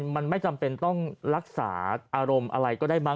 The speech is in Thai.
มันไม่จำเป็นต้องรักษาอารมณ์อะไรก็ได้มั